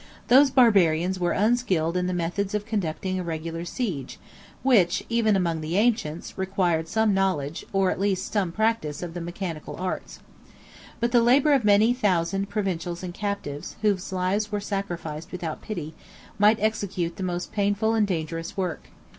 Those Barbarians were unskilled in the methods of conducting a regular siege, which, even among the ancients, required some knowledge, or at least some practice, of the mechanic arts. But the labor of many thousand provincials and captives, whose lives were sacrificed without pity, might execute the most painful and dangerous work.